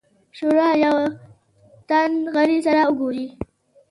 شورا له یوه تن غړي سره وګوري.